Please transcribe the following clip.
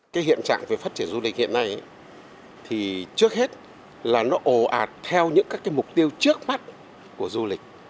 cái hiện trạng về phát triển du lịch hiện nay thì trước hết là nó ồ ạt theo những các cái mục tiêu trước mắt của du lịch